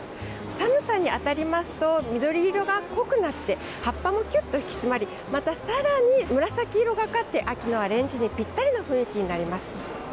寒さにあたりますと緑色が濃くなって葉っぱもきゅっと引き締まりまたさらに紫色がかって秋のアレンジにぴったりの雰囲気になります。